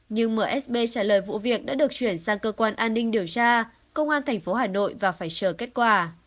nhưng msb trả lời vụ việc đã được chuyển sang cơ quan an ninh điều tra công an tp hà nội và phải chờ kết quả